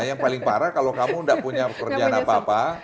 yang paling parah kalau kamu tidak punya pekerjaan apa apa